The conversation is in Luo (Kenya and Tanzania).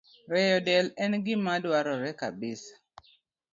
Rieyo del bende en gima dwarore kabisa.